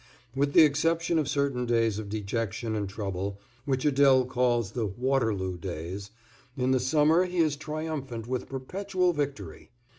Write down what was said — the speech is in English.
With the exception of certain days of dejection and trouble, which Adèle calls the Waterloo days, in the summer he is triumphant with perpetual victory.